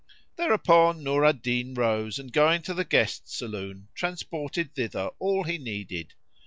Thereupon Nur al Din rose and going to the guest saloon transported thither all he needed.